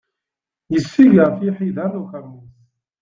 Yecceg ɣef iḥider ukermus.